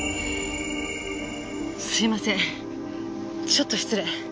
すいませんちょっと失礼。